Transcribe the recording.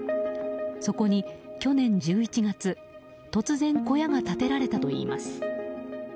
そこに去年１２月、突然小屋が建てられたといいます。